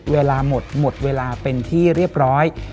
เวลาหมดหมดเวลาเป็นที่เรียบร้อย